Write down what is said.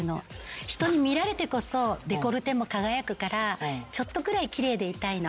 人に見られてこそデコルテも輝くからちょっとぐらい奇麗でいたいの。